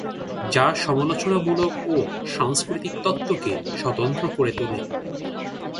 যা সমালোচনামূলক ও সাংস্কৃতিক তত্ত্বকে স্বতন্ত্র করে তোলে।